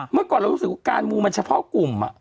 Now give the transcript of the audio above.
เมื่อก่อนเรารู้สึกว่าการมูมันเฉพาะกลุ่ม